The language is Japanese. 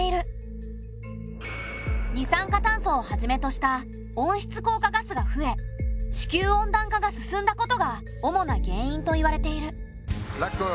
二酸化炭素をはじめとした温室効果ガスが増え地球温暖化が進んだことが主な原因といわれている。